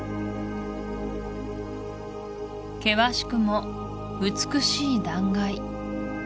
険しくも美しい断崖